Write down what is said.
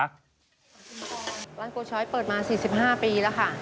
ร้านโกช้อยเปิดมา๔๕ปีแล้วค่ะ